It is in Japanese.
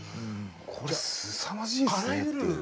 これすさまじいですねっていう。